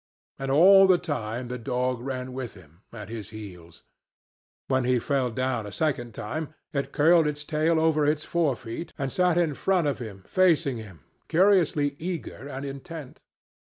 And all the time the dog ran with him, at his heels. When he fell down a second time, it curled its tail over its forefeet and sat in front of him facing him curiously eager and intent.